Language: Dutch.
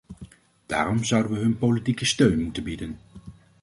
Daarom zouden we hun politieke steun moeten bieden.